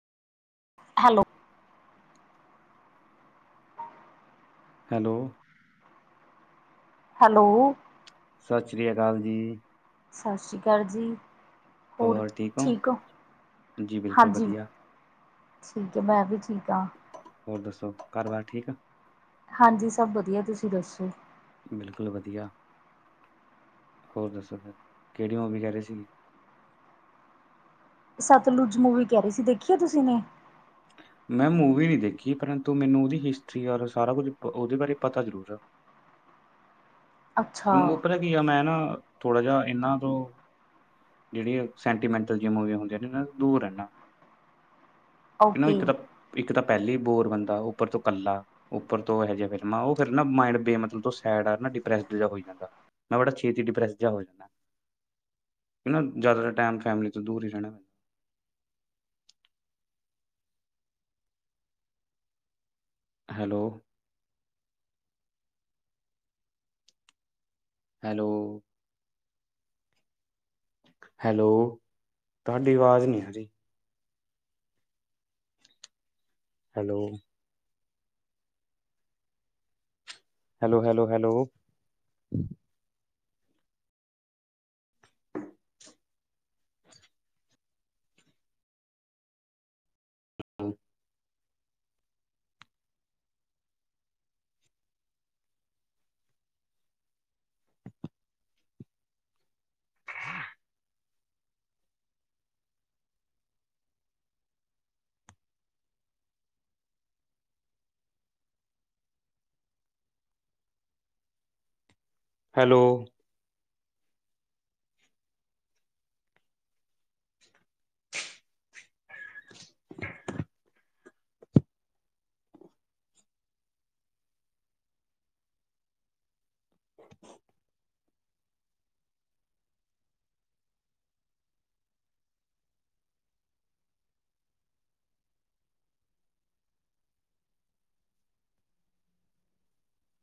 Hello. Hello. Hello. ਸਤਿ ਸ੍ਰੀ ਅਕਾਲ ਜੀ। ਸਤਿ ਸ਼੍ਰੀ ਅਕਾਲ ਜੀ। ਹੋਰ ਠੀਕ ਹੋ, ਜੀ ਬਿਲਕੁਲ ਹਾਂਜੀ। ਵਧੀਆ ਠੀਕ ਹੈ। ਮੈਂ ਵੀ ਠੀਕ ਹਾਂ। ਹੋਰ ਦੱਸੋ। ਘਰ ਬਾਰ ਠੀਕ ਆ। ਹਾਂਜੀ, ਸਭ ਵਧੀਆ ਤੁਸੀਂ ਦੱਸੋ। ਬਿਲਕੁਲ ਵਧੀਆ। ਹੋਰ ਦੱਸੋ ਫਿਰ ਕਿਹੜੀ ਓ ਵੀ ਕਹਿ ਰਹੇ ਸੀਗੇ ਸਤਲੁਜ ਮੂਵੀ ਕਹਿ ਰਹੀ ਸੀ। ਦੇਖੀ ਏ ਤੁਸੀਂ ਨੇ ਮੈਂ ਮੂਵੀ ਨਹੀਂ ਦੇਖੀ, ਪਰੰਤੂ, ਮੈਨੂੰ ਉਹਦੀ ਹਿਸਟਰੀ ਔਰ, ਸਾਰਾ ਕੁੱਝ ਉਹਦੇ ਬਾਰੇ ਪਤਾ ਜ਼ਰੂਰ ਆ। ਅੱਛਾ ਕਿਉ, ਉਹ ਪਤਾ ਕੀ ਆ, ਮੈਂ ਨਾ ਥੋੜਾ ਜਿਹਾ ਇਹਨਾਂ ਤੋਂ ਜਿਹੜੀਆਂ ਸੈਂਟੀਮੈਂਟਲ ਜੀਆ ਮੂਵੀਆਂ ਹੁੰਦੀਆਂ ਨੇ ਨਾ, ਇਹਨਾਂ ਦੂਰ ਰਹਿਨਾ। ਕਿ, ਓਕੇ ਇੱਕ ਤਾਂ ਇੱਕ ਤਾਂ ਪਹਿਲੇ ਹੀ ਬੋਰ ਬੰਦਾ ਉੱਪਰ ਤੋਂ ਕੱਲਾ ਉੱਪਰ ਤੋਂ ਇਹੋ ਜਹੀਆ ਫ਼ਿਲਮਾਂ, ਉਹ ਫਿਰ ਨਾ ਮੈਡ ਬੇ ਮਤਲਬ ਸੈਡ ਆ ਨਾ ਡਿਪੈਸ ਜ ਹੋ ਜਾਂਦਾ, ਮੈਂ ਬੜਾ ਛੇਤੀ ਹੀ ਡਿਪਰੈਸਿਹਾ ਹੋ ਜਾਂਦਾ। ਕਿ, ਜ਼ਿਆਦਾ ਟਾਈਮ ਫੈਮਲੀ ਤੋਂ ਦੂਰ ਹੀ ਰਹਿਣਾ। ਪੈਂਦਾ ਹੈਲੋ? ਹੈਲੋ? ਹੈਲੋ? ਤੁਹਾਡੀ ਆਵਾਜ਼ ਨਹੀਂ ਹੈ। ਜੀ ਹੈਲੋ? Hello, hello, hello? ਹਾਂ। ਹ। ਹੈਲੋ? [inaudible]